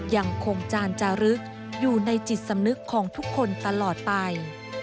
ยังคงจานจารึกอยู่ในจิตสำนึกของทุกคนตลอดไป